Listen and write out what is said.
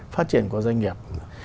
phát triển của doanh nghiệp